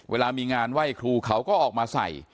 เวลามีงานไหว้ครูเขาก็ออกมาใส่